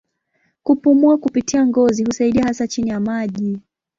Kupumua kupitia ngozi husaidia hasa chini ya maji.